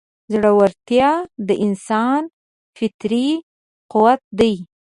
زړهورتیا د انسان فطري قوت دی.